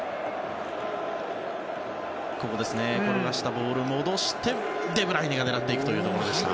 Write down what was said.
転がしたボールを戻してデブライネが狙っていくというところでした。